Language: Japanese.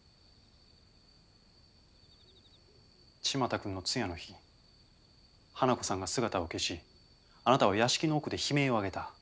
千万太君の通夜の日花子さんが姿を消しあなたは屋敷の奥で悲鳴を上げた。